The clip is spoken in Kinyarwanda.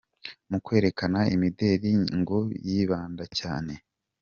Mu kwerekana imideli ngo yibanda cyane